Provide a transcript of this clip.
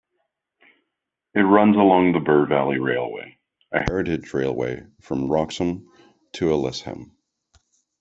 It runs alongside the Bure Valley Railway, a heritage railway from Wroxham to Aylsham.